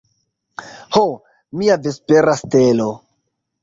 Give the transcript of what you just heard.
Ho, mia vespera stelo!